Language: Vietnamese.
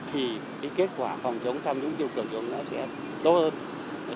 thì kết quả phòng chống tham nhũng tiêu cực của chúng ta sẽ tốt hơn